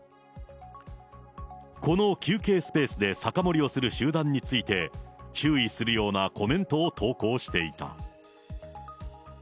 この休憩スペースで酒盛りをする集団について、注意するようなコメントを投稿していた。